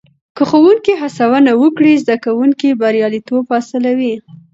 که ښوونکې هڅونه وکړي، زده کوونکي برياليتوب حاصلوي.